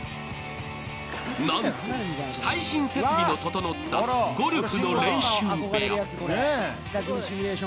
なんと、最新設備の整ったゴルフの練習部屋。